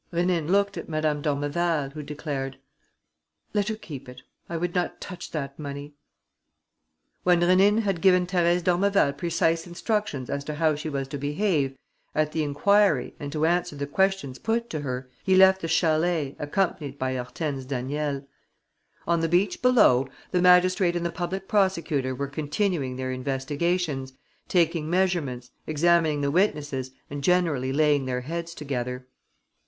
Rénine looked at Madame d'Ormeval, who declared: "Let her keep it. I would not touch that money." When Rénine had given Thérèse d'Ormeval precise instructions as to how she was to behave at the enquiry and to answer the questions put to her, he left the chalet, accompanied by Hortense Daniel. On the beach below, the magistrate and the public prosecutor were continuing their investigations, taking measurements, examining the witnesses and generally laying their heads together.